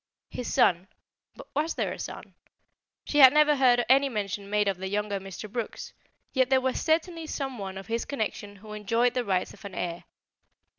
His son but was there a son? She had never heard any mention made of a younger Mr. Brooks, yet there was certainly some one of his connection who enjoyed the rights of an heir.